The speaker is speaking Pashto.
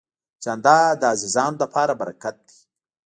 جانداد د عزیزانو لپاره برکت دی.